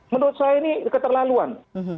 menurut saya ini keterlaluan